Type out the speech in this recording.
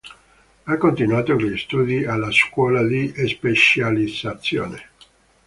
Ha continuato gli studi alla scuola di specializzazione.